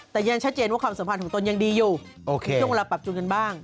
แต่ยังชัดเจนว่าความสัมพันธ์ของตนยังดีอยู่ช่วงเวลาปรับจูนกันบ้าง